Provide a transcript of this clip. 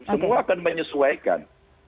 semua akan menyesuaikan